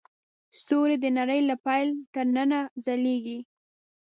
ستوري د نړۍ له پیل نه تر ننه ځلېږي.